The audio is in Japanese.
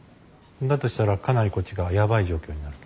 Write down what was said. だとしたらかなりこっちがやばい状況になる。